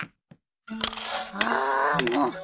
ああもう。